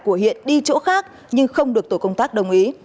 của hiện đi chỗ khác nhưng không được tổ công tác đồng ý